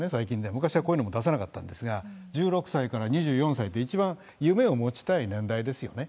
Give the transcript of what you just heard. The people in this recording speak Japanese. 昔はこういうのも出さなかったんですが、１６歳から２４歳って、一番夢を持ちたい年代ですよね。